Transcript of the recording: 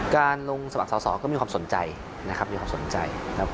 การลงสมัครสอบก็มีความสนใจ